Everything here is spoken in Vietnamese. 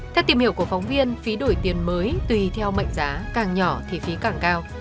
theo tìm hiểu của phóng viên phí đổi tiền mới tùy theo mệnh giá càng nhỏ thì phí càng cao